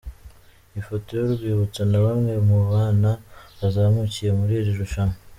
Ifoto y'urwibutso na bamwe mu bana bazamukiye muri iri rushanwa.